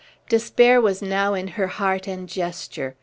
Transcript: Despair was now in her heart and gesture.